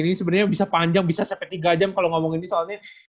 ini sebenarnya bisa panjang bisa sampai tiga jam kalau ngomongin ini soalnya